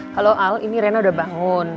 kalau al ini rena udah bangun